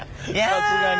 さすがに。